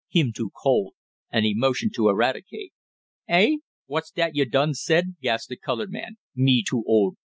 Him too old," and he motioned to Eradicate. "Eh! What's dat yo' done said?" gasped the colored man. "Me too old?